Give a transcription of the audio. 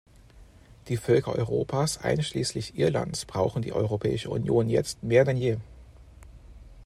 Die Völker Europas einschließlich Irlands brauchen die Europäische Union jetzt mehr denn je.